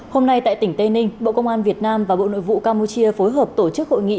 hôm nay tại tỉnh tây ninh bộ công an việt nam và bộ nội vụ campuchia phối hợp tổ chức hội nghị